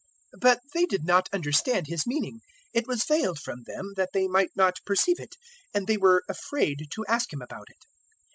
009:045 But they did not understand His meaning: it was veiled from them that they might not perceive it, and they were afraid to ask Him about it.